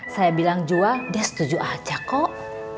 saya bilang jual dia setuju aja kok